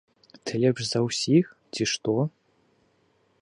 Ты лепш за ўсіх, ці што?